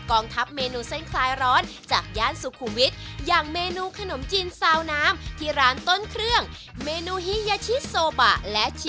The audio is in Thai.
สนับสนุนโดยอีกขั้นของสมาร์ทอีโคค่าใหม่มิซูบิชิแอดทราช